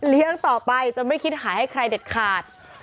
ต่อไปจนไม่คิดหายให้ใครเด็ดขาด